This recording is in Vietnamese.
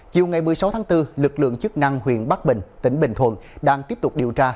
chiều ngày một mươi sáu tháng bốn lực lượng chức năng huyện bắc bình tỉnh bình thuận đang tiếp tục điều tra